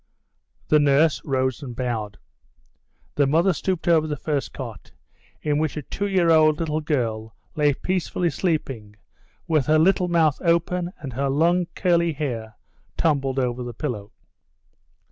The nurse rose and bowed. The mother stooped over the first cot, in which a two year old little girl lay peacefully sleeping with her little mouth open and her long, curly hair tumbled over the pillow.